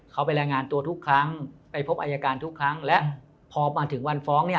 เขาไปรายงานตัวทุกครั้งไปพบอายการทุกครั้งและพอมาถึงวันฟ้องเนี่ย